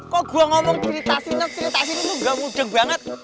kok gue ngomong cerita sinet cerita sini tuh gak mudah banget